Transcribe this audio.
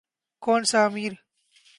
کون سا امیر۔